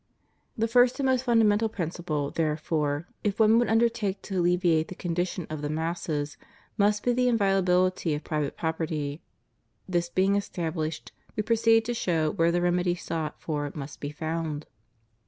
The first and most fundamental principle, therefore, if one would undertake to alleviate the condition of the masses, must be the inviolabihty of private property. This being estabhshed, we proceed to show where the remedy sought for must be found.